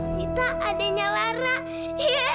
sita adanya lara